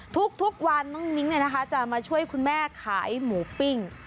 ทุกวันน้องนิ้งจะมาช่วยคุณแม่ขายหมูปิ้ง